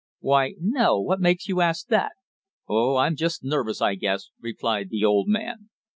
"Why no? What makes you ask that?" "Oh, I'm just nervous, I guess," replied the odd man.